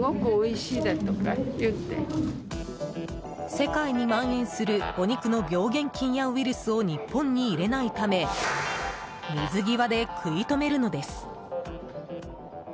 世界に蔓延するお肉の病原菌やウイルスを日本に入れないため水際で食い止めるのです。